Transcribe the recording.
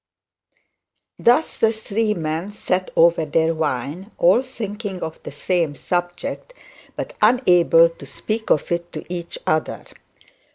Thus the three men sat over their wine, all thinking of the same subject, but unable to speak of it to each other.